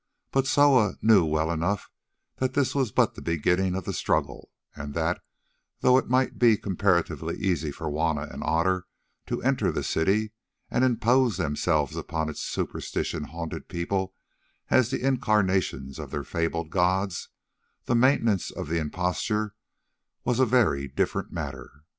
But Soa knew well enough that this was but the beginning of the struggle, and that, though it might be comparatively easy for Juanna and Otter to enter the city, and impose themselves upon its superstition haunted people as the incarnations of their fabled gods, the maintenance of the imposture was a very different matter.